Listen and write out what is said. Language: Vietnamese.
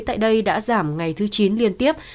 tại đây đã giảm ngày thứ chín liên tiếp